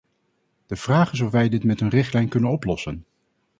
De vraag is of wij dit met een richtlijn kunnen oplossen.